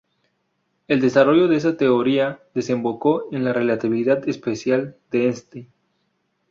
El desarrollo de esta teoría desembocó en la relatividad especial de Einstein.